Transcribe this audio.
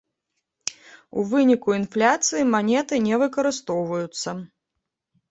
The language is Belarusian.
У выніку інфляцыі манеты не выкарыстоўваюцца.